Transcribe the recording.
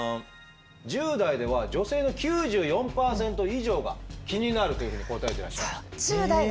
１０代では女性の９４％以上が気になるというふうに答えてらっしゃいました。